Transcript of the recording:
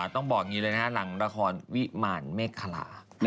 ต้องบอกอย่างนี้เลยนะฮะหลังละครวิมารเมฆคลา